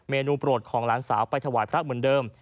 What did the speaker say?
โนโปรดของหลานสาวไปถวายพระเหมือนเดิม